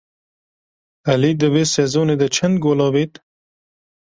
Elî di vê sezonê de çend gol avêt?